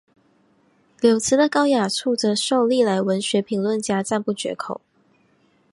柳词的高雅处则受历来文学评论家赞不绝口。